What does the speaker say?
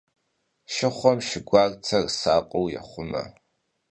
Шыхъуэм шы гуартэр сакъыу ехъумэ.